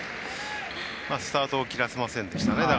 スタート切らせませんでした。